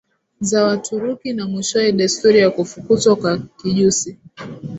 za Waturuki na mwishowe desturi ya kufukuzwa kwa kijusi